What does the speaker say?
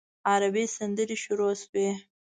عربي سندرې شروع شوې.